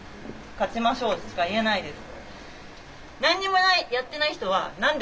勝ちましょうしか言えないです。